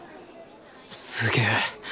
すげえ。